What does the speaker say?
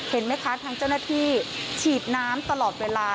เห็นไหมคะทางเจ้าหน้าที่ฉีดน้ำตลอดเวลา